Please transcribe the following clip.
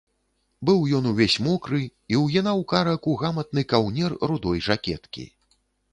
Быў ён увесь мокры і ўгінаў карак у гаматны каўнер рудой жакеткі.